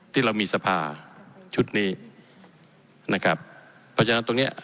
ที่เรามีสภาชุดนี้นะครับเพราะฉะนั้นตรงเนี้ย